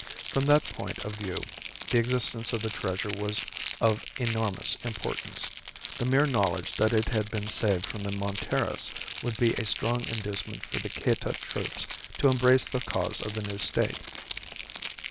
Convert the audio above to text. From that point of view the existence of the treasure was of enormous importance. The mere knowledge that it had been saved from the Monterists would be a strong inducement for the Cayta troops to embrace the cause of the new State.